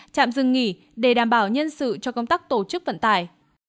tạm dừng nghỉ để đảm bảo nhân sự cho công tác tổ chức vận tải